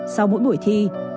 sau mỗi buổi thi